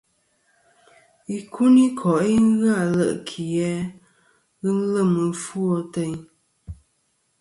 Ikuniko'i ghɨ ale' ki a ghɨ lem ɨfwo ateyn.